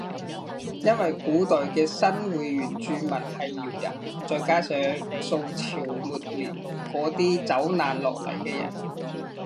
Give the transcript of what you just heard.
因為古代嘅新會原住民係瑤人再加上宋朝末年嗰啲走難落嚟嘅人